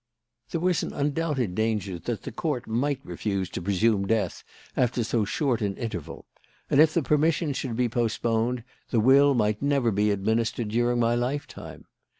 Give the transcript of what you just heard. "There was an undoubted danger that the Court might refuse to presume death after so short an interval; and if the permission should be postponed, the will might never be administered during my lifetime.